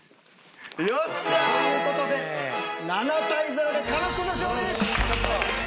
よっしゃ！という事で７対０で狩野君の勝利！